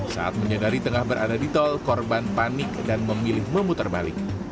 saat menyadari tengah berada di tol korban panik dan memilih memutar balik